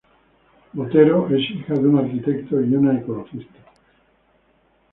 Botero es hija de un arquitecto y una ecologista.